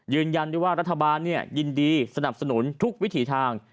ยืนยันได้ว่ารัฐบาลยินดีสนับสนุนทุกวิถีทาง